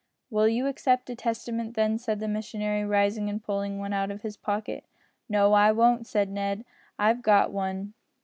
"Will you accept a Testament, then," said the missionary, rising and pulling one out of his pocket. "No, I won't," said Ned, "I've got one."